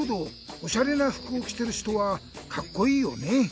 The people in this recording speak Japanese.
おしゃれなふくをきてるひとはカッコイイよね。